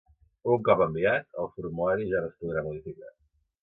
Un cop enviat, el formulari ja no es podrà modificar.